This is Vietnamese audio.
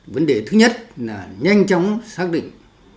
vấn đề thứ nhất là nhanh chóng xác định